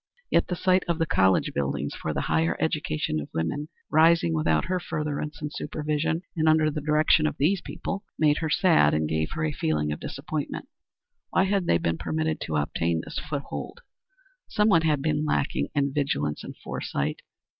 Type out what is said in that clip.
Yet the sight of the college buildings for the higher education of women, rising without her furtherance and supervision, and under the direction of these people, made her sad and gave her a feeling of disappointment. Why had they been permitted to obtain this foothold? Someone had been lacking in vigilance and foresight.